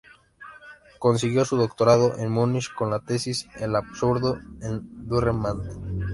Consiguió su doctorado en Múnich con la tesis "El absurdo en Dürrenmatt.